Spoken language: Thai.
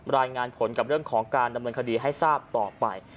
รายงานผลกับเรื่องของการดำเนินคดีให้ทราบต่อไป